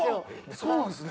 そうなんですね。